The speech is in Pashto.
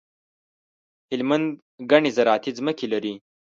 هلمند ګڼي زراعتي ځمکي لري.